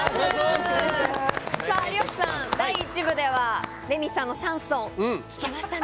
有吉さん、第１部ではレミさんのシャンソン聴きましたね。